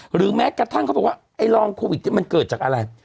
หรือแม้กระทั่งเขาบอกว่าไอ้รองโควิดมันเกิดจากอะไร